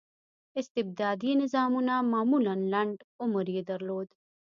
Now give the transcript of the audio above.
استبدادي نظامونه معمولا لنډ عمر یې درلود.